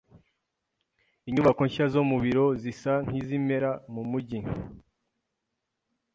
Inyubako nshya zo mu biro zisa nkizimera mu mujyi.